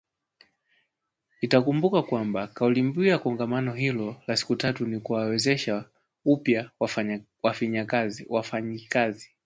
Itakumbukwa kwamba Kauli mbiu ya Kongamano hilo la siku tatu ni kuwawezesha upya wafanyikazi